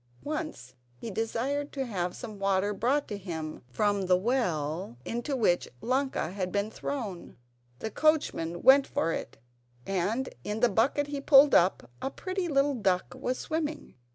Once he desired to have some water brought him from the well into which Ilonka had been thrown. The coachman went for it and, in the bucket he pulled up, a pretty little duck was swimming.